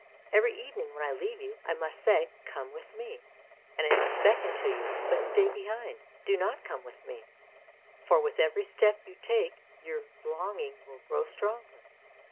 Every evening when I leave you I must say ' Come with me,' and I must beckon to you, but stay behind. Do not come with me, for with every step you take your longing will grow stronger.